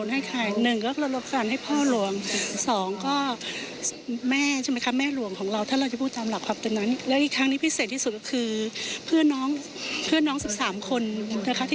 ให้พบน้องค่ะ